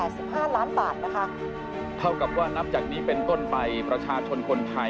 สวัสดีค่ะ